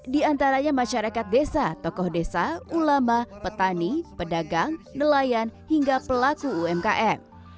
di antaranya masyarakat desa tokoh desa ulama petani pedagang nelayan hingga pelaku umkm